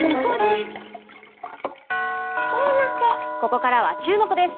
ここからはチューモク！です。